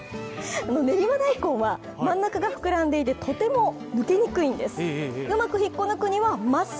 練馬大根は真ん中が膨らんでいて、とても抜きにくいんです。